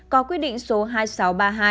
có quyết định số hai nghìn sáu trăm ba mươi hai